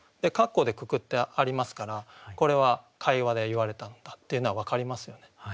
括弧でくくってありますからこれは会話で言われたんだっていうのは分かりますよね。